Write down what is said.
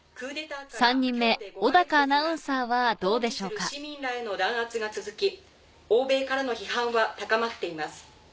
３人目小アナウンサーはどうでしょうか弾圧が続き欧米からの批判は高まっています。